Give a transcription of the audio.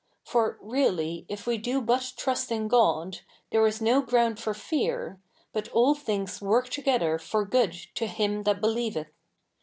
For really, if we do but trust in God, there is no ground for fear, but ^^ all things work together for good to him that believeth^^ A?